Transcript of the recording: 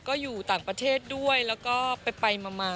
ก็อยู่ต่างประเทศด้วยแล้วก็ไปมา